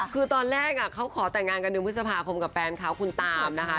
คือตอนแรกเขาขอแต่งงานกันเดือนพฤษภาคมกับแฟนเขาคุณตามนะคะ